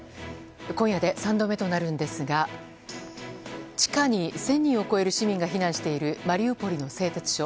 今夜で３度目となるんですが地下に１０００人を超える市民が避難しているマリウポリの製鉄所。